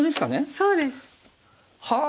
そうです。はあ。